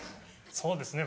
そうですね